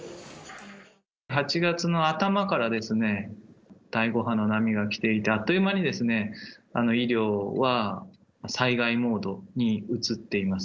８月の頭からですね、第５波の波が来て、あっという間に、医療は災害モードに移っています。